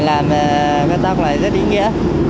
làm cái tóc này rất ý nghĩa